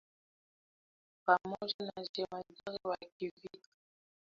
pamoja na jemedari wa kivita von Zelewski